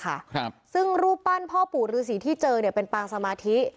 ครับซึ่งรูปปั้นพ่อปู่ฤษีที่เจอเนี้ยเป็นปางสมาธิ